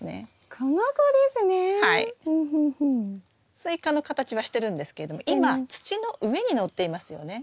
スイカの形はしてるんですけども今土の上にのっていますよね？